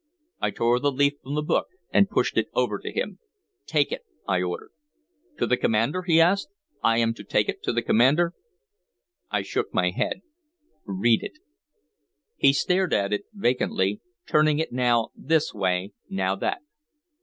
I tore the leaf from the book and pushed it over to him. "Take it," I ordered. "To the commander?" he asked. "I am to take it to the commander?" I shook my head. "Read it." He stared at it vacantly, turning it now this way, now that.